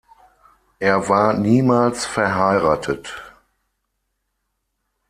Er war niemals verheiratet.